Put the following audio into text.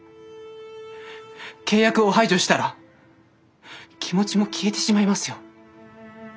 契約を排除したら気持ちも消えてしまいますよ。